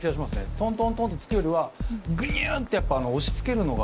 トントントンってつくよりはグニュってやっぱ押しつけるのが。